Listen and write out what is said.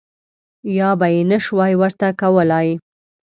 یا به یې نه شوای ورته کولای.